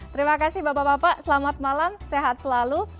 terima kasih bapak bapak selamat malam sehat selalu